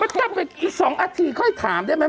มันกลับไปอีก๒อาทิตย์ค่อยถามได้ไหม